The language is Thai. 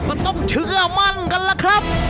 ทุกคนต้องเชื่อมั่นกันเธอครับ